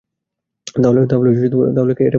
তাহলে এটা পরিত্যাক্ত হল?